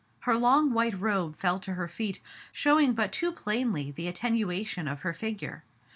Her long white robe fell to her feet, showing but too plainly the attenuation of her figure.